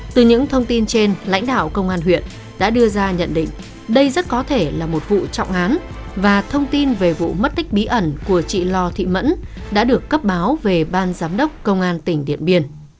từ những thông tin trên lãnh đạo công an huyện đã đưa ra nhận định đây rất có thể là một vụ trọng án và thông tin về vụ mất tích bí ẩn của chị lò thị mẫn đã được cấp báo về ban giám đốc công an tỉnh điện biên